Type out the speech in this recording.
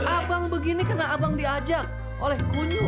abang begini kena abang diajak oleh kunyum